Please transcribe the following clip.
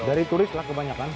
dari turis lah kebanyakan